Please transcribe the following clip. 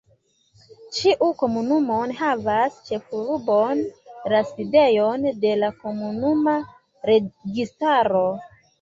Ĉiu komunumo havas ĉefurbon, la sidejon de la komunuma registaro.